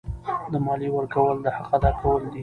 د مالیې ورکول د حق ادا کول دي.